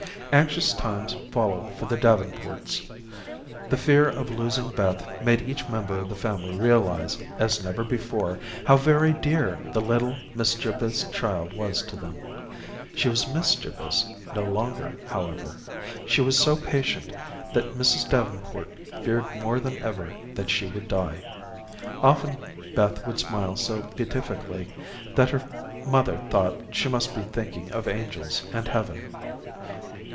Anxious times followed for the Davenports. The fear of losing Beth made each member of the family realize, as never before, how very dear the little, mischievous child was to them. She was mischievous no longer, however. She was so patient that Mrs. Davenport feared more than ever that she would die. Often Beth would smile so beatifically that her mother thought she must be thinking of angels and heaven.